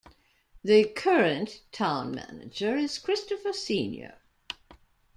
The current Town Manager is Christopher Senior.